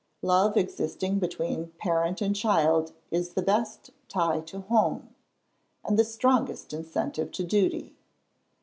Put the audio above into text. Love existing between parent and child is the best tie to home, and the strongest incentive to duty.